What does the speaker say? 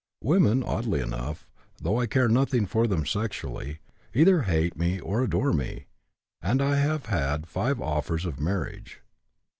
Women, oddly enough, though I care nothing for them sexually, either hate me or adore me, and I have had five offers of marriage.